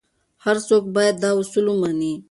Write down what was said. هر څوک باید دا اصول ومني.